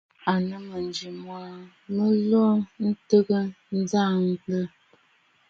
À nɨ̌ŋ mɨ̀jɨ mya mɨ luu ntɨgə njaʼanə.